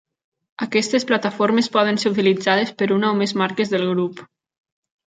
Aquestes plataformes poden ser utilitzades per una o més marques del Grup.